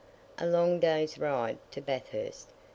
A long day's ride to Bathurst.